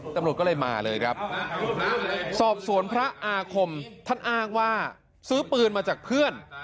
ตำรวจก็เลยมาเลยครับสอบสวนพระอาคมท่านอ้างว่าซื้อปืนมาจากเพื่อน